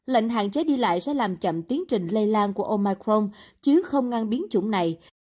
lệnh hạn chế đi lại sẽ làm chậm tiến trình lây lan của omicron chứ không ngang biến chủng này